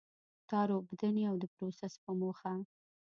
تار اوبدنې او د پروسس په موخه.